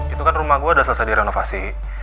itu kan rumah gue udah selesai direnovasi